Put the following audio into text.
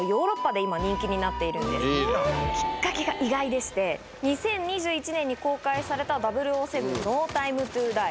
きっかけが意外でして２０２１年に公開された『００７／ノー・タイム・トゥ・ダイ』。